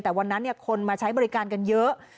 แต่วันนั้นคนมาใช้บริการกันเยอะ